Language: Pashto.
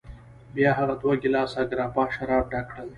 بیا هغه دوه ګیلاسه ګراپا شراب ډک کړل.